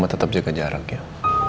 mama tetep jaga jarak ya